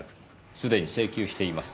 すでに請求しています。